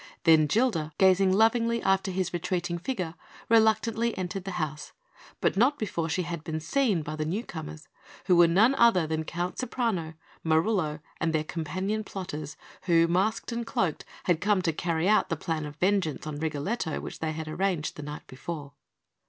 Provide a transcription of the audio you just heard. Then Gilda, gazing lovingly after his retreating figure, reluctantly entered the house; but not before she had been seen by the newcomers, who were none other than Count Ceprano, Marullo, and their companion plotters, who, masked and cloaked, had come to carry out the plan of vengeance on Rigoletto which they had arranged the night before.